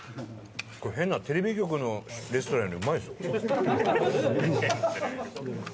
変なテレビ局のレストランよりうまいですよ。